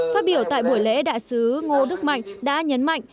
phát biểu tại buổi lễ đại sứ ngô đức mạnh đã nhấn mạnh